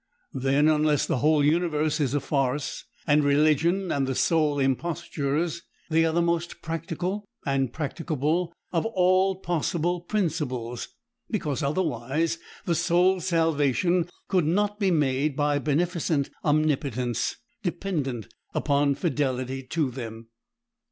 Then, unless the whole universe is a farce, and religion and the soul impostures, they are the most practical and practicable of all possible principles, because otherwise the soul's salvation could not be made by beneficent Omnipotence dependent upon fidelity to them.